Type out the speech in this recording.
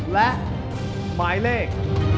และหมายเลข